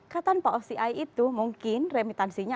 kata pak oci itu mungkin remitansinya